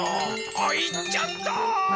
あっいっちゃった！